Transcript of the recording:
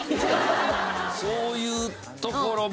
そういうところも。